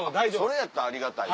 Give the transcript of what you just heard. それやったらありがたい。